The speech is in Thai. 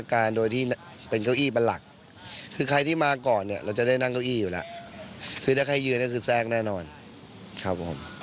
ยังวันนี้เปิดให้เข้าตั้งแต่กี่เมื่อแล้วครับ